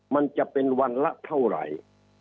มันจะเป็นวันละเท่าไหร่